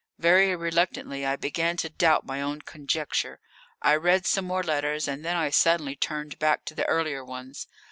Very reluctantly I began to doubt my own conjecture. I read some more letters, and then I suddenly turned back to the earlier ones.